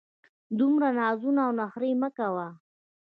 دومره نازونه او نخرې مه کوه!